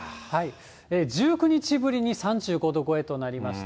１９日ぶりに３５度超えとなりました。